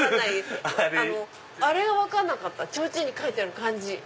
あれが分からなかったちょうちんに書いてある漢字。